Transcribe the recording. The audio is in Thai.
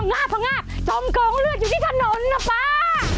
งาบพังงาบจมกองเลือดอยู่ที่ถนนนะป้า